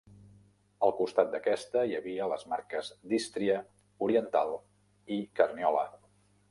Al costat d'aquesta hi havia les marques d'Ístria, Oriental, i Carniola.